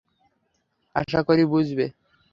আশা করি বুঝবে।